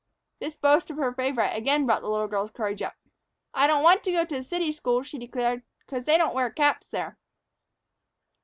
This boast of her favorite again brought the little girl's courage up. "I don't want to go to a city school," she declared, "'cause they don't wear caps there."